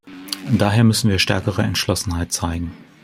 Daher müssen wir stärkere Entschlossenheit zeigen.